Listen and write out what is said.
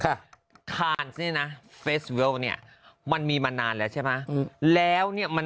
ค่ะคานเนี่ยนะเฟสวิลเนี่ยมันมีมานานแล้วใช่ไหมอืมแล้วเนี้ยมัน